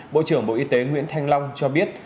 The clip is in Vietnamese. bộ trưởng bộ y tế nguyễn thanh long cho biết